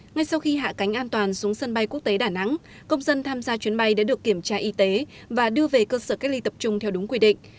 ngay sau khi hạ cánh an toàn xuống sân bay quốc tế đà nẵng công dân tham gia chuyến bay đã được kiểm tra y tế và đưa về cơ sở cách ly tập trung theo đúng quy định